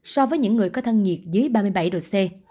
so với những người có thân nhiệt dưới ba mươi bảy độ c